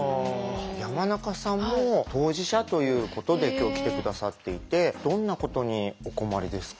山中さんも当事者ということで今日来て下さっていてどんなことにお困りですか？